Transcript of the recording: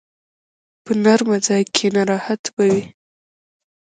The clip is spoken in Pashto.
په نرمه ځای کښېنه، راحت به وي.